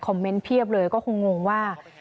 เมนต์เพียบเลยก็คงงว่า